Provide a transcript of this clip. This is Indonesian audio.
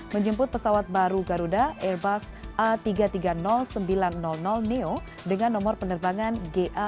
menjemput pesawat baru garuda airbus a tiga ratus tiga puluh sembilan ratus neo dengan nomor penerbangan ga sembilan ribu tujuh ratus dua puluh satu